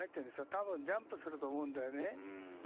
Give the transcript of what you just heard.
多分ジャンプすると思うんだよね。